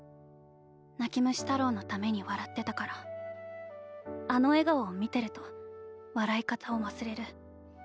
泣き虫太朗のために笑ってたからあの笑顔を見てると笑い方を忘れる。